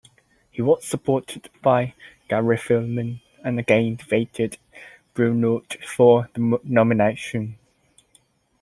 He was supported by Gary Filmon, and again defeated Bruinooge for the nomination.